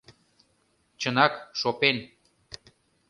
Чынак, шопен.